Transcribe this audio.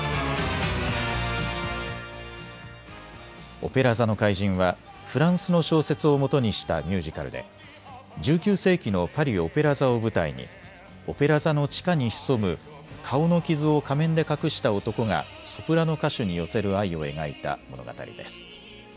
オペラ座の怪人はフランスの小説をもとにしたミュージカルで１９世紀のパリ・オペラ座を舞台にオペラ座の地下に潜む顔の傷を仮面で隠した男がソプラノ歌手に寄せる愛を描いた物語です。